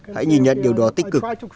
hãy nhìn nhận điều đó tích cực